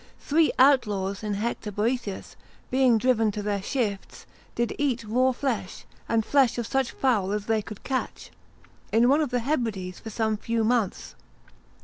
Three outlaws in Hector Boethius, being driven to their shifts, did eat raw flesh, and flesh of such fowl as they could catch, in one of the Hebrides for some few months.